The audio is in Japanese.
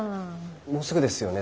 もうすぐですよね